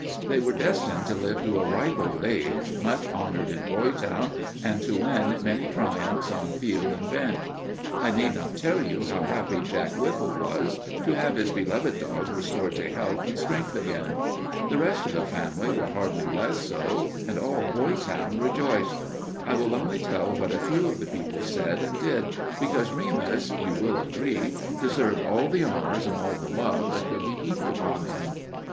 They were destined to live to a ripe old age, much honored in Boytown, and to win many triumphs on field and bench. I need not tell you how happy Jack Whipple was to have his beloved dog restored to health and strength again. The rest of the family were hardly less so, and all Boytown rejoiced. I will only tell what a few of the people said and did, because Remus, you will agree, deserved all the honors and all the love that could be heaped upon him.